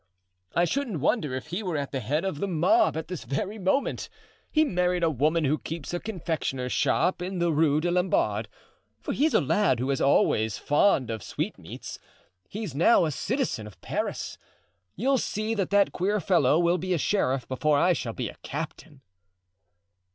"I shouldn't wonder if he were at the head of the mob at this very moment. He married a woman who keeps a confectioner's shop in the Rue des Lombards, for he's a lad who was always fond of sweetmeats; he's now a citizen of Paris. You'll see that that queer fellow will be a sheriff before I shall be a captain."